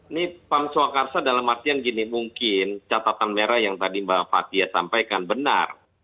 ini pam swakarsa dalam artian gini mungkin catatan merah yang tadi mbak fathia sampaikan benar